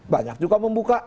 banyak juga membuka